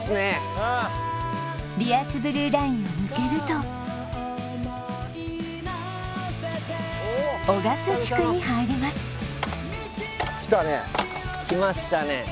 うんリアスブルーラインを抜けると雄勝地区に入りますきたねきましたね